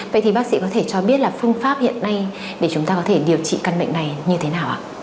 vậy thì bác sĩ có thể cho biết là phương pháp hiện nay để chúng ta có thể điều trị căn bệnh này như thế nào ạ